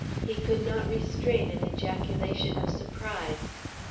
He could not restrain an ejaculation of surprise.